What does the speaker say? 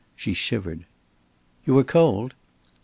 She shivered. "You are cold?"